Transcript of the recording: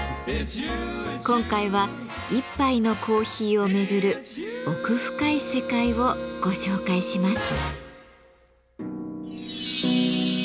今回は一杯のコーヒーを巡る奥深い世界をご紹介します。